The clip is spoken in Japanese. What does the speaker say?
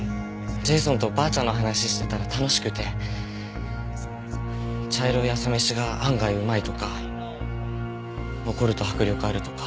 ジェイソンとばあちゃんの話してたら楽しくて茶色い朝飯が案外うまいとか怒ると迫力あるとか。